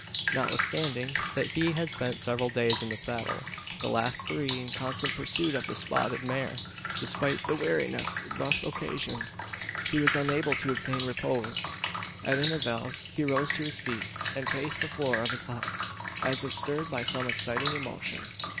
Notwithstanding that he had spent several days in the saddle the last three in constant pursuit of the spotted mare despite the weariness thus occasioned, he was unable to obtain repose. At intervals he rose to his feet, and paced the floor of his hut, as if stirred by some exciting emotion.